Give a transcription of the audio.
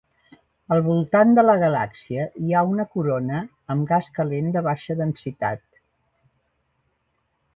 Al voltant de la galàxia hi ha una corona amb gas calent de baixa densitat.